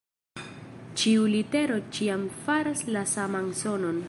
Ĉiu litero ĉiam faras la saman sonon.